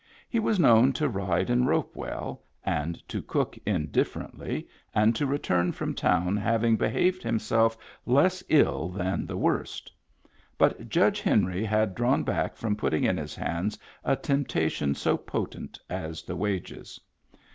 He was known to ride and rope well, and to cook indifferently, and to return from town having behaved himself less ill than the worst; but Judge Henry had drawn back from putting in his hands a temptation so potent as the wages.